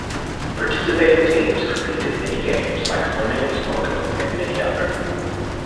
Participating teams compete in many games like swimming and snorkeling and many other.